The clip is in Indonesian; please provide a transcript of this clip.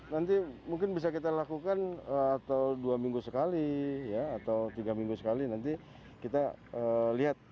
nanti mungkin bisa kita lakukan atau dua minggu sekali atau tiga minggu sekali nanti kita lihat